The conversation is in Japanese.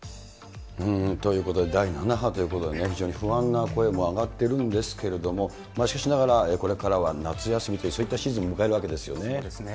ということで、第７波ということで、非常に不安な声も上がってるんですけれども、しかしながら、これからは夏休みと、そういったシーズンを迎えるそうですね。